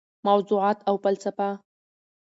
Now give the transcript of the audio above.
موضوعات او فلسفه: